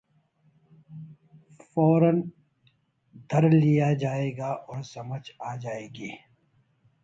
فورا دھر لیا جائے گا اور سمجھ آ جائے گی۔